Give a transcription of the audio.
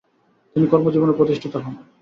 তিনি কর্মজীবনে প্রতিষ্ঠিত হন।